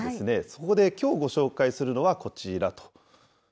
そこできょうご紹介するのはこちら。